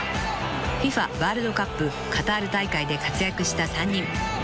［ＦＩＦＡワールドカップカタール大会で活躍した３人］